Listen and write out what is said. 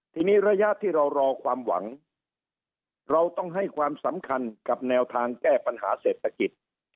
ทีนี้ระยะที่เรารอความหวังเราต้องให้ความสำคัญกับแนวทางแก้ปัญหาเศรษฐกิจ